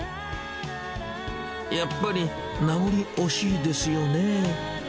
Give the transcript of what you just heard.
やっぱりなごりおしいですよね。